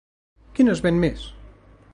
Quina es ven més?